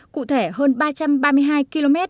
cụ thể hơn ba trăm ba mươi hai km